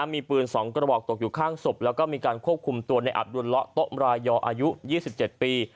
มีปืน๒กระบอกตกอยู่ข้างศพแล้วก็มีการควบคุมตัวในอับดุลละโต๊ะมรายยออายุ๒๗ปี